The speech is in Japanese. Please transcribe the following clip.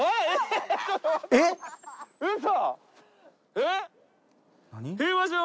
えっ？